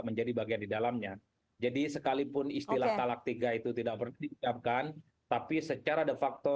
menjadi bagian di dalamnya jadi sekalipun istilah talak tiga itu tidak pernah diucapkan tapi secara de facto